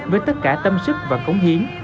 với tất cả tâm sức và cống hiến